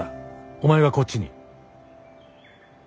お前がこっちに。